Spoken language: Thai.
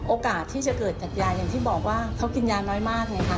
โอกาสที่จะเกิดจากยาอย่างที่บอกว่าเขากินยาน้อยมากไงคะ